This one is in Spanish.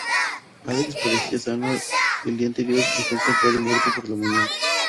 Alex parecía sano el día anterior y fue encontrado muerto por la mañana.